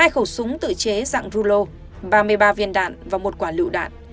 hai khẩu súng tự chế dạng rulo ba mươi ba viên đạn và một quả lựu đạn